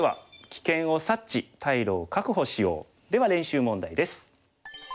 では練習問題です。